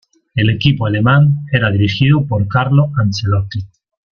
El equipo alemán era dirigido por Carlo Ancelotti.